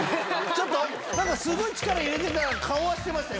何かすごい力入れてた顔はしてましたよね。